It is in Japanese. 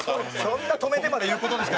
そんな止めてまで言う事ですか？